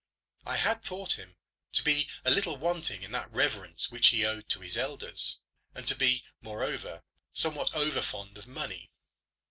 I had thought him to be a little wanting in that reverence which he owed to his elders, and to be, moreover, somewhat over fond of money.